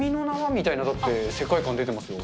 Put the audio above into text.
みたいなだって、世界観出てますよ。